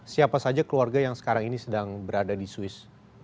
siapa saja keluarga yang sekarang ini sedang berada di swiss